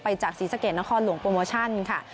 จากศรีสะเกดนครหลวงโปรโมชั่นค่ะ